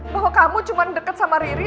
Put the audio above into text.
bahwa kamu cuma deket sama riri